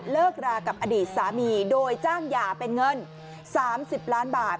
เลิกรากับอดีตสามีโดยจ้างหย่าเป็นเงิน๓๐ล้านบาท